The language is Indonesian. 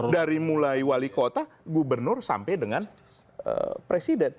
dari mulai wali kota gubernur sampai dengan presiden